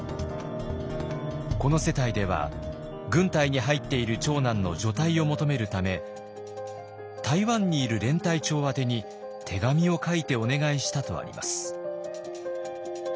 この世帯では軍隊に入っている長男の除隊を求めるため台湾にいる連隊長宛てに手紙を書いてお願いしたとあります。